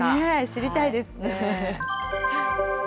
知りたいですね。